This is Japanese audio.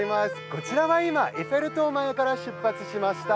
こちらは今エッフェル塔前から出発しました。